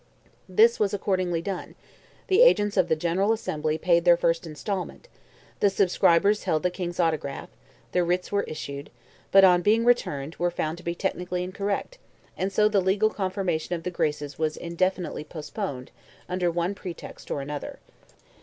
This was accordingly done; the agents of the General Assembly paid their first instalment; the subscribers held the King's autograph; the writs were issued, but on being returned, were found to be technically incorrect, and so the legal confirmation of the graces was indefinitely postponed, under one pretext or another.